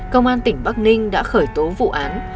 công an tỉnh bắc ninh đã khởi tố vụ án